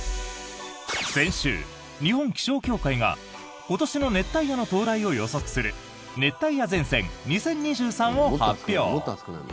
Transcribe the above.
先週、日本気象協会が今年の熱帯夜の到来を予測する熱帯夜前線２０２３を発表。